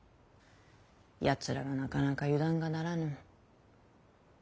やつらはなかなか油断がならぬ。